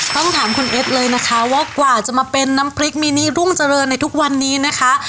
ต้องถามคุณเอสเลยนะคะว่ากว่าจะมาเป็นน้ำพริกมินิรุ่งเจริญในทุกวันนี้นะคะ